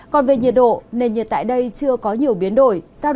còn về nhiệt độ nền nhiệt tại đây chưa có nhiều biến đổi